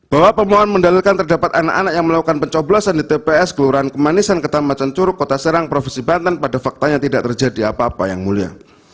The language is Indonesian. bahwa pemohon mendalilkan terdapat anak anak yang melakukan pencoblosan di tps kelurahan kemanisan kecamatan curug kota serang provinsi banten pada faktanya tidak terjadi apa apa yang mulia